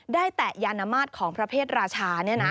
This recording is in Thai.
ได้แต่ยานมาตรของพระเพศราชา